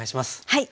はい。